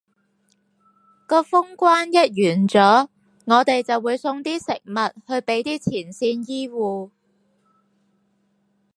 個封關一完咗，我哋就會送啲食物去畀啲前線醫護